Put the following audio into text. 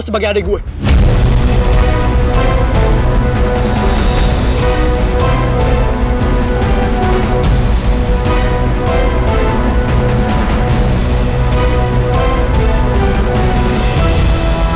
sebagai bahasa indonesia